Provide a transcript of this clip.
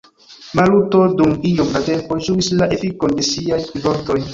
Maluto dum iom da tempo ĝuis la efikon de siaj vortoj.